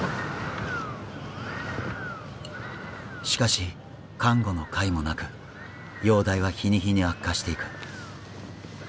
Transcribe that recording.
しかし看護のかいもなく容体は日に日に悪化していく。